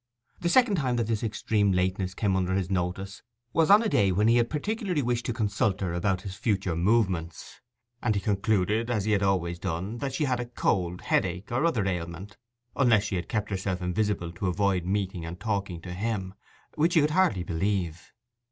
The second time that this extreme lateness came under his notice was on a day when he had particularly wished to consult with her about his future movements; and he concluded, as he always had done, that she had a cold, headache, or other ailment, unless she had kept herself invisible to avoid meeting and talking to him, which he could hardly believe.